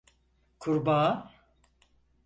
Kurbağa…